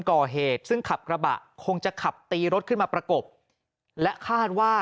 ก่อเหตุซึ่งขับกระบะคงจะขับตีรถขึ้นมาประกบและคาดว่า